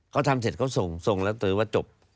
เขาทำเสร็จเขาส่งส่งแล้วเต๋อว่าจบ